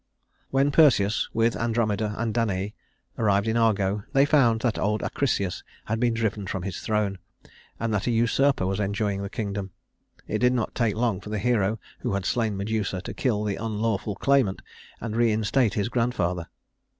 When Perseus, with Andromeda and Danaë, arrived in Argo, they found that old Acrisius had been driven from his throne, and that a usurper was enjoying the kingdom. It did not take long for the hero who had slain Medusa to kill the unlawful claimant, and reinstate his grandfather.